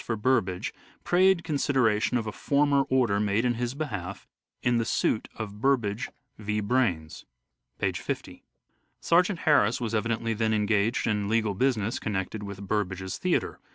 for Burbage prayed consideration of a former order made in his behalf in the suit of Burbage v. Braynes " (p. 50). Sergeant Harris was evidently then engaged in legal business connected with Burbage's theatre.